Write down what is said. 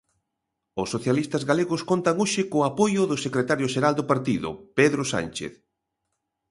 Os socialistas galegos contan hoxe co apoio do secretario xeral do partido, Pedro Sánchez.